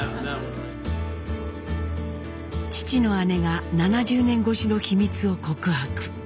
父の姉が７０年ごしの秘密を告白。